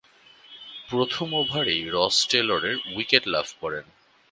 প্রথম ওভারেই রস টেলরের উইকেট লাভ করেন।